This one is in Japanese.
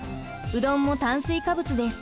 うどんも炭水化物です。